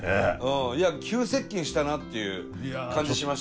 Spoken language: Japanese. いや急接近したなっていう感じしましたね。